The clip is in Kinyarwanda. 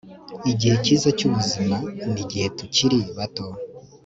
Igihe cyiza cyubuzima nigihe tukiri bato